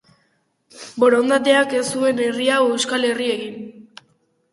Borondateak ez zuen herri hau euskal herri egin.